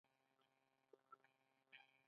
شاعر احساسات بیانوي